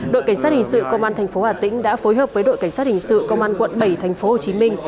đội cảnh sát hình sự công an tp hà tĩnh đã phối hợp với đội cảnh sát hình sự công an quận bảy thành phố hồ chí minh